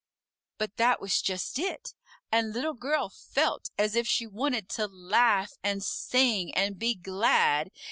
But that was just it, and Little Girl felt as if she wanted to laugh and sing and be glad.